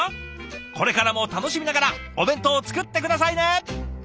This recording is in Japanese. これからも楽しみながらお弁当作って下さいね！